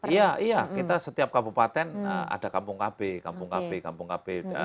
iya iya kita setiap kabupaten ada kampung kb kampung kb kampung kb